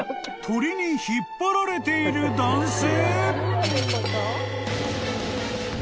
［鳥に引っ張られている男性！？］